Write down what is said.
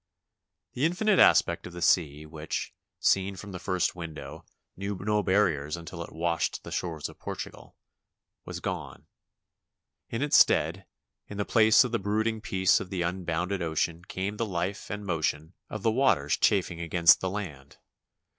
The infinite aspect of the sea which, seen from the first window, knew no barriers until it washed the shores of Portugal, was gone. In its stead, in the place of the brooding peace of the unbounded ocean came the life and motion of the 276 DIVERSIONS OF A CONVALESCENT waters chafing against the land.